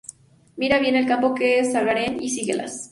Mira bien el campo que segaren, y síguelas: